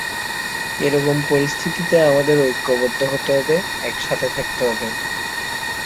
এরকম পরিস্থিতিতে আমাদের ঐক্যবদ্ধ হতে হবে, একসাথে থাকতে হবে।